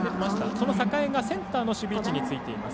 その榮がセンターの守備位置についています。